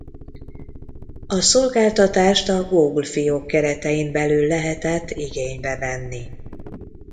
A szolgáltatást a Google Fiók keretein belül lehetett igénybe venni.